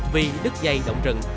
vì đứt dây động rừng